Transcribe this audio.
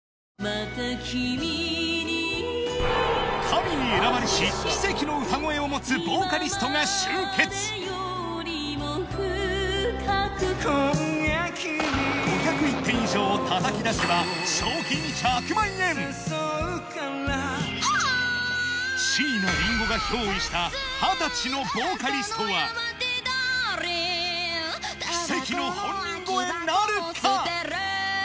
神に選ばれし奇跡の歌声を持つボーカリストが集結５０１点以上をたたき出せば賞金１００万円椎名林檎が憑依した二十歳のボーカリストは奇跡の本人超えなるか？